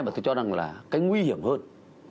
mà tôi cho rằng là cái nguy hiểm hơn